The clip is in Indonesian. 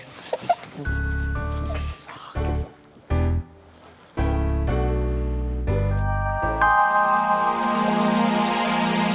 gila ini udah berapa